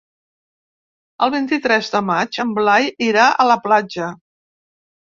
El vint-i-tres de maig en Blai irà a la platja.